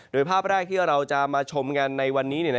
โดยภาพแรกที่เราจะมาชมกันในวันนี้